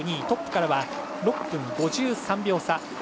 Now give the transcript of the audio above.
トップからは６分５３秒差。